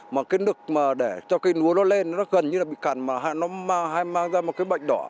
mà cái nực mà để cho cây lúa nó lên nó gần như là bị cằn mà nó hay mang ra một cái bệnh đỏ